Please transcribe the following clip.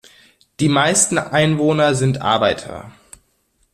Die meisten Einwohner sind Arbeiter.